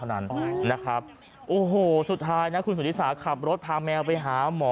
นั่นนะครับโอ้โหสุดท้ายนะคุณสุธิสาขับรถพาแมวไปหาหมอ